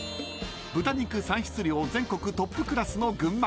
［豚肉産出量全国トップクラスの群馬県］